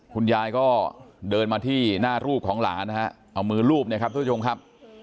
คุณยายก็เดินมาที่หน้ารูปของหลานนะฮะเอามือรูปเนี่ยครับทุกผู้ชมครับ